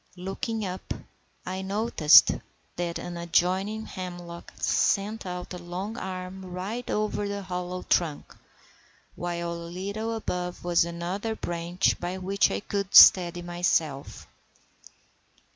Looking up, I noticed that an adjoining hemlock sent out a long arm right over the hollow trunk, while a little above was another branch by which I could steady myself.